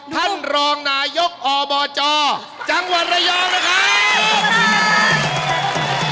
ท่านรองนายกอบจจังหวัดระยองนะครับ